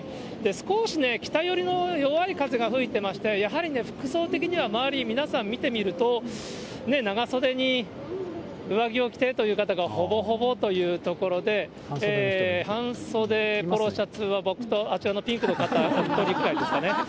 少しね、北寄りの弱い風が吹いてまして、やはり服装的には周り、皆さん見てみると、長袖に上着を着てという方がほぼほぼというところで、半袖ポロシャツは、僕とあちらのピンクの方、お１人ぐらいですかね。